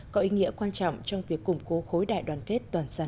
có ý nghĩa quan trọng trong việc củng cố khối đại đoàn kết toàn dân